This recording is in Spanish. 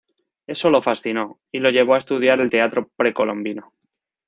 Eso lo fascinó y lo llevó a estudiar el teatro precolombino.